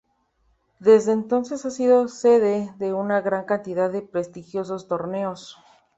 Desde entonces ha sido sede de una gran cantidad de prestigiosos torneos.